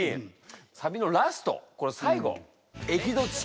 サビのラストこの最後。